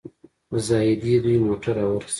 د زاهدي دوی موټر راورسېد.